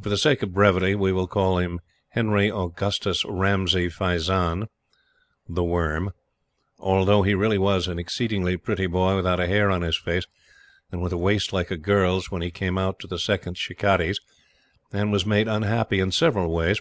For the sake of brevity, we will call Henry Augustus Ramsay Faizanne, "The Worm," although he really was an exceedingly pretty boy, without a hair on his face, and with a waist like a girl's when he came out to the Second "Shikarris" and was made unhappy in several ways.